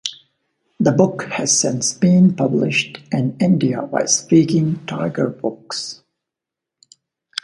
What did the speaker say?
The book has since been published in India by Speaking Tiger Books.